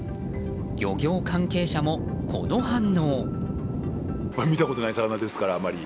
漁業関係者もこの反応。